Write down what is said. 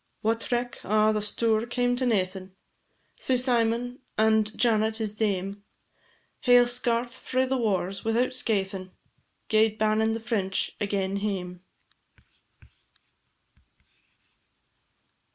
Whatreck, a' the stour cam to naething; Sae Symon, and Janet his dame, Hale skart frae the wars, without skaithing, Gaed bannin' the French again hame.